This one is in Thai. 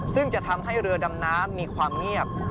ซึ่งจะทำให้เรือดำน้ำมีความเงียบ